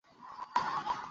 হেই হেই ফিরে আসো।